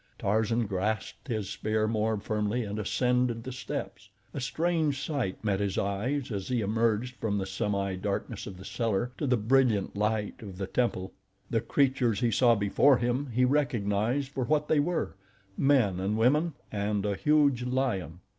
Tarzan grasped his spear more firmly and ascended the steps. A strange sight met his eyes as he emerged from the semi darkness of the cellar to the brilliant light of the temple. The creatures he saw before him he recognized for what they were—men and women, and a huge lion.